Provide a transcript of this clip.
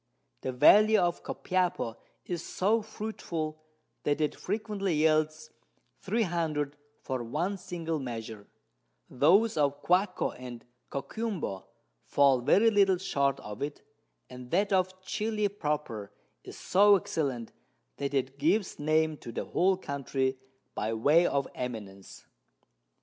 The Valley of Copiapo is so fruitful, that it frequently yields 300 for one single Measure, those of Guasco and Coquimbo fall very little short of it, and that of Chili proper is so excellent, that it gives Name to the whole Country by way of Eminence.